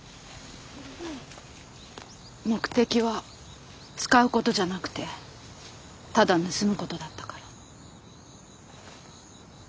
目的は使うことじゃなくてただ盗むことだったから。